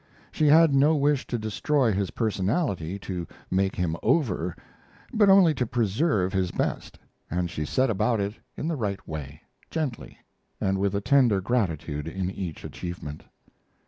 She had no wish to destroy his personality, to make him over, but only to preserve his best, and she set about it in the right way gently, and with a tender gratitude in each achievement.